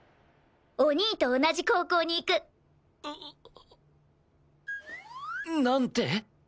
お兄と同じ高校に行く！なんて？